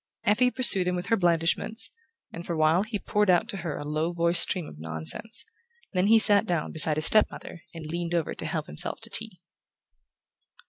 Effie pursued him with her blandishments, and for a while he poured out to her a low voiced stream of nonsense; then he sat down beside his step mother and leaned over to help himself to tea.